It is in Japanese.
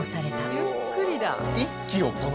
ゆっくりだ。